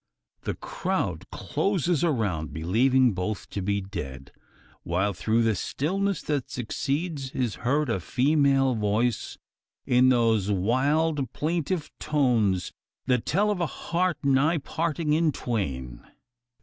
The crowd closes around, believing both to be dead; while through the stillness that succeeds is heard a female voice, in those wild plaintive tones that tell of a heart nigh parting in twain!